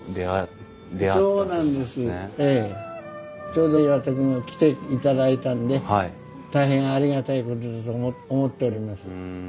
ちょうど岩田君が来ていただいたんで大変ありがたいことだと思っております。